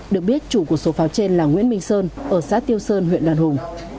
được biết chủ của số pháo trên là nguyễn minh sơn ở xã tiêu sơn huyện đoàn hùng